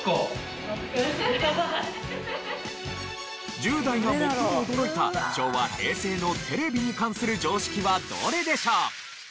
１０代が最も驚いた昭和・平成のテレビに関する常識はどれでしょう？